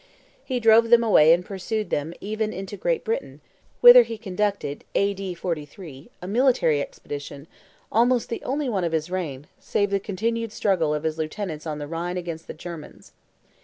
He drove them away and pursued them even into Great Britain, whither he conducted, A.D. 43, a military expedition, almost the only one of his reign, save the continued struggle of his lieutenants on the Rhine against the Germans.